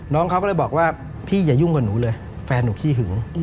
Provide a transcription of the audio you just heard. น้องเขาก็เลยบอกว่าพี่อย่ายุ่งกับหนูเลยแฟนหนูขี้หึง